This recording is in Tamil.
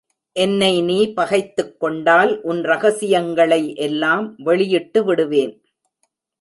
என்னை நீ பகைத்துக்கொண்டால் உன் ரகசியங்களை எல்லாம் வெளியிட்டு விடுவேன்.